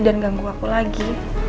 dan ganggu aku lagi